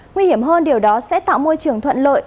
nguy hiểm hơn điều đó sẽ tạo môi trường thuận lợi